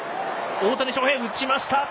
大谷翔平、打ちました。